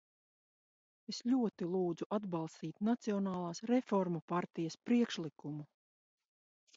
Es ļoti lūdzu atbalstīt Nacionālās reformu partijas priekšlikumu.